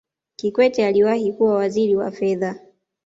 kikwete aliwahi kuwa waziri wa fedha